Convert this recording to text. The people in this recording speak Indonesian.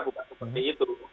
bukan seperti itu